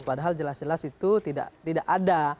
padahal jelas jelas itu tidak ada